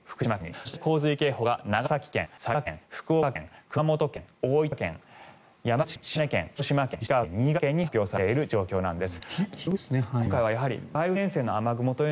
そして洪水警報が長崎県、佐賀県福岡県、熊本県、大分県、山口県発表されている状況なんです。